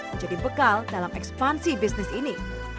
menjadi bekal dalam ekspansi bisnis ini